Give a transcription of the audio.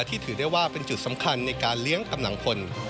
ที่ถือได้ว่าเป็นจุดสำคัญในการเลี้ยงกำลังพล